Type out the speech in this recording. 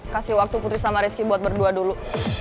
kasih waktu putri sama rizky buat berdua dulu